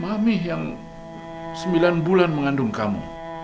mami yang sembilan bulan mengandung kamu